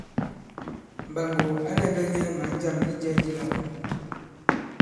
Mɓàŋgò ǎ lɛ̄mbɛ̄ nyɛ̄ mǎn jâm di jɛ̄ dilām.